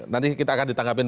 nanti kita akan ditangkapin